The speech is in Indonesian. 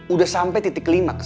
udah sampe titik klimaks